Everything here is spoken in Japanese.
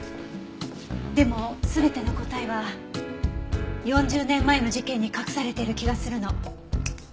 でも全ての答えは４０年前の事件に隠されている気がするの。